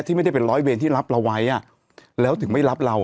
ไม่ได้เป็นร้อยเวรที่รับเราไว้แล้วถึงไม่รับเรา